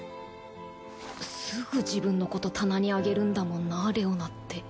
すぐ自分のこと棚に上げるんだもんなレオナって